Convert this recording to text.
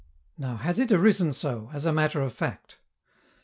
Now, has it arisen so, as a matter of fact?